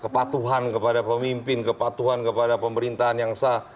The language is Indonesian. kepatuhan kepada pemimpin kepatuhan kepada pemerintahan yang sah